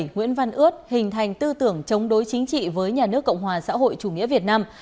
nguyễn văn ướt hình thành tư tưởng chống đối chính trị với nhà nước cộng hòa xã hội chủ nghĩa việt nam